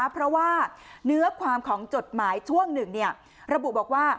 เพราะว่าเนื้อความของจดหมายช่วงหนึ่งระบุบอกว่า